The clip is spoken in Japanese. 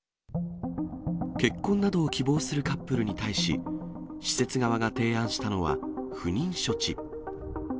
結婚などを希望するカップルに対し、施設側が提案したのは、不妊処置。